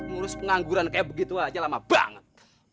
ngurus pengangguran kayak begitu aja lama banget